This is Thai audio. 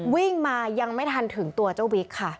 วิ่งมายังไม่ทันถึงตัวเจ้าบิ๊กค่ะ